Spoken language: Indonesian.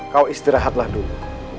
kau istirahatlah dulu